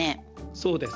そうです。